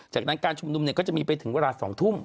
จากนั้นการชุมนุมก็จะมีไปถึงเวลา๒ทุ่ม